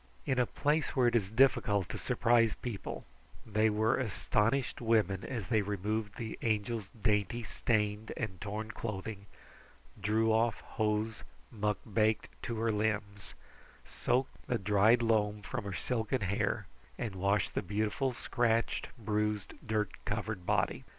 In a place where it is difficult to surprise people, they were astonished women as they removed the Angel's dainty stained and torn clothing, drew off hose muck baked to her limbs, soaked the dried loam from her silken hair, and washed the beautiful scratched, bruised, dirt covered body.